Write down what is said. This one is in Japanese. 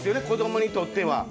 子どもにとっては。